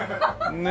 ねえ。